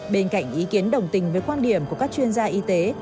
bên cạnh ý kiến đồng tình với quan điểm của các chuyên gia y tế